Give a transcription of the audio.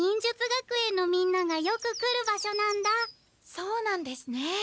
そうなんですね。